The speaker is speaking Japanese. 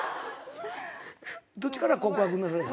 どっちから告白された？